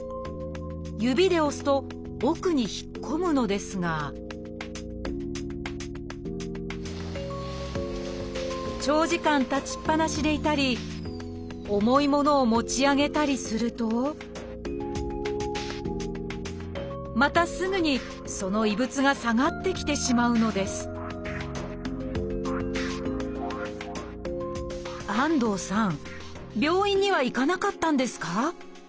指で押すと奥に引っ込むのですが長時間立ちっぱなしでいたり重い物を持ち上げたりするとまたすぐにその異物が下がってきてしまうのです安藤さん